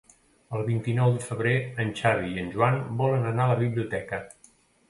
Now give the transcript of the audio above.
El vint-i-nou de febrer en Xavi i en Joan volen anar a la biblioteca.